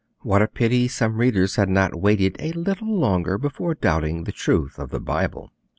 What a pity some readers had not waited a little longer before doubting the truth of the Bible!